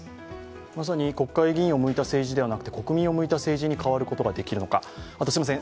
まさに、国会議員を向いた政治ではなく国民を向いた政治に変わることができるのか。